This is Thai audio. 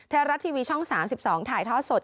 ไทยรัฐทีวีช่อง๓๒ถ่ายทอดสด